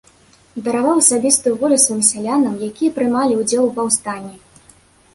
Дараваў асабістую волю сваім сялянам, якія прымалі ўдзел у паўстанні.